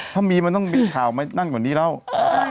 ถ้ามีมันต้องบีดเข่านั่งกว่านี้น้อง